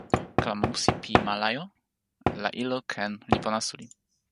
kalama musi pi ma Lajo la ilo Ken li pona suli.